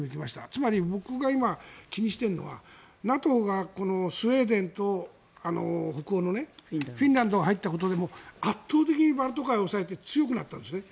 つまり、僕が今、気にしているのはＮＡＴＯが北欧のスウェーデンとフィンランドが入ったことで圧倒的にバルト海を押さえて強くなったんですね。